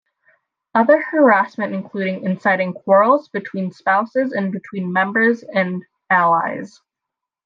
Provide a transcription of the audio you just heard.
Other harassment included inciting quarrels between spouses and between members and allies.